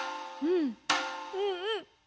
うんうん。